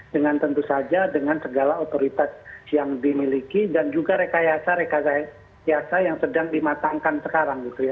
dengan tentu saja dengan segala otoritas yang dimiliki dan juga rekayasa rekayasa yang sedang dimatangkan sekarang gitu ya